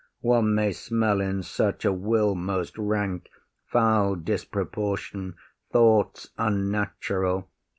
One may smell in such a will most rank, Foul disproportion, thoughts unnatural.